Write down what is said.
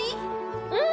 うん！